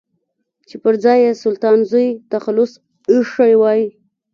چې پر ځان يې سلطان زوی تخلص ايښی دی.